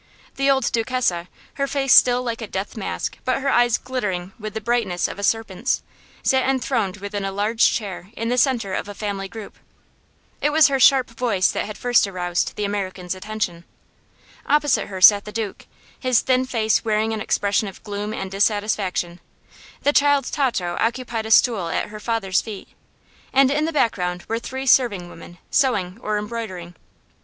The old Duchessa, her face still like a death mask but her eyes glittering with the brightness of a serpent's, sat enthroned within a large chair in the center of a family group. It was her sharp voice that had first aroused the American's attention. Opposite her sat the Duke, his thin face wearing an expression of gloom and dissatisfaction. The child Tato occupied a stool at her father's feet, and in the background were three serving women, sewing or embroidering.